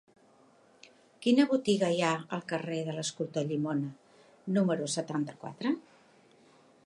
Quina botiga hi ha al carrer de l'Escultor Llimona número setanta-quatre?